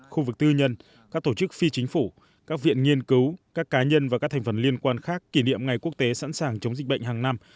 khu vực tư nhân các tổ chức phi chính phủ các viện nghiên cứu các cá nhân và các thành phần liên quan khác kỷ niệm ngày quốc tế sẵn sàng chống dịch bệnh hàng năm